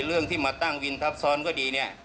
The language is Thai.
เรื่องที่มาตั้งวินทับซ้อนก็ดีเนี่ย